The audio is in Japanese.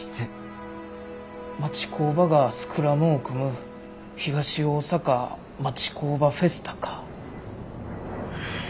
「町工場がスクラムを組む東大阪町工場フェスタ」か。